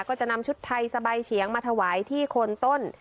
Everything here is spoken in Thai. ก็จะนำชุดไทยสบายเฉียงมาถวายที่คนต้น